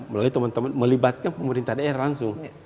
melalui teman teman melibatkan pemerintahan air langsung